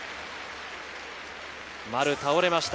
丸倒れました。